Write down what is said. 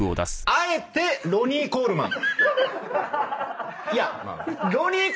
あえてロニー・コールマン。